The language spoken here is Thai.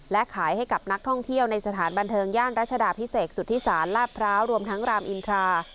และขายให้กับนักท่องเที่ยวในสถานบันเทิงย่านรัชดาพิเศษสุธิศาลลาดพร้าวรวมทั้งรามอินทรา